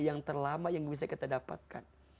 yang terlama yang bisa kita dapatkan